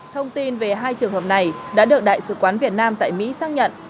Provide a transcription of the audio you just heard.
thông tin về hai trường hợp này đã được đại sứ quán việt nam tại mỹ xác nhận